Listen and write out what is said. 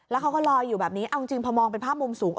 แล้วเขาก็ลอยอยู่แบบนี้เอาจริงพอมองเป็นภาพมุมสูง